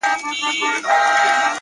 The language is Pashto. زما مرور فکر به څه لفظونه وشرنگوي ـ